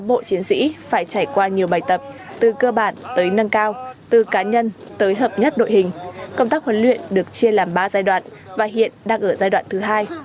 bộ chiến sĩ phải trải qua nhiều bài tập từ cơ bản tới nâng cao từ cá nhân tới hợp nhất đội hình công tác huấn luyện được chia làm ba giai đoạn và hiện đang ở giai đoạn thứ hai